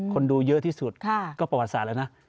คนดูเยอะที่สุดก็ประวัติศาสตร์แล้วนะ